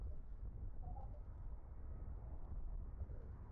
wengine wasiopungua laki nane waishio nchini Tanzania